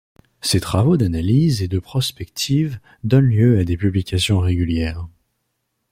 Ses travaux d'analyse et de prospective donnent lieu à des publications régulières.